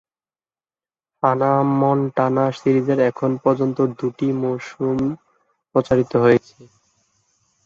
হানা মন্টানা সিরিজের এখন পর্যন্ত দুটি মৌসুম প্রচারিত হয়েছে।